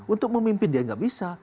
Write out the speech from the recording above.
untuk memimpin dia nggak bisa